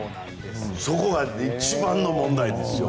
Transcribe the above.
そこが一番の問題ですよ。